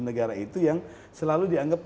negara itu yang selalu dianggap